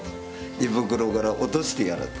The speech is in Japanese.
胃袋から落としてやると。